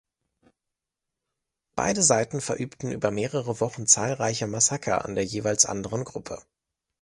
Beide Seiten verübten über mehrere Wochen zahlreiche Massaker an der jeweils anderen Gruppe.